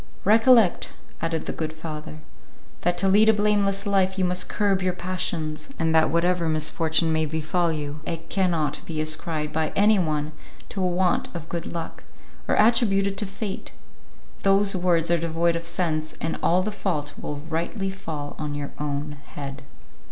"Recollect," added the good father, "that to lead a blameless life you must curb your passions, and that whatever misfortune may befall you it cannot be ascribed by any one to a want of good luck, or attributed to fate; those words are devoid of sense, and all the fault will rightly fall on your own head."